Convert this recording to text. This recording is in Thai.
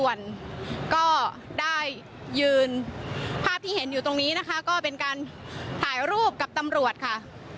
ส่วนก็ได้ยืนภาพที่เห็นอยู่ตรงนี้นะคะก็เป็นการถ่ายรูปกับตำรวจค่ะ